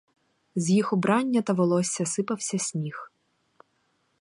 З їх убрання та волосся сипався сніг.